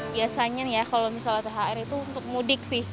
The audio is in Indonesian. biasanya nih ya kalau misalnya thr itu untuk mudik sih